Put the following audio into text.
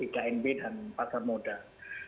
iknb dan pasar modal